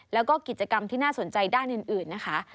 แล้วก็กิจกรรมที่น่าสนใจด้านอื่นนะคะ